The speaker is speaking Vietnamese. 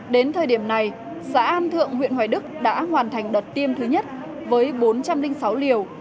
đến thời điểm này xã an thượng huyện hoài đức đã hoàn thành đợt tiêm thứ nhất với bốn trăm linh sáu liều